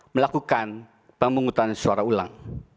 melakukan pemungutan suara ulang